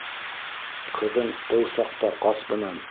Ҡыҙың тыу саҡта ҡас бынан.